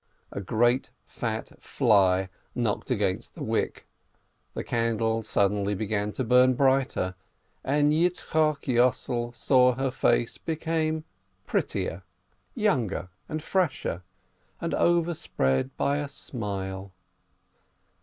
A great, fat fly knocked against the wick, the candle suddenly began to burn brighter, and Yitzchok Yossel saw her face become prettier, younger, and fresher, and over spread by a smile.